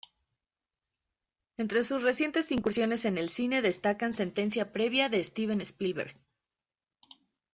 Entre sus recientes incursiones en el cine destacan Sentencia Previa de Steven Spielberg.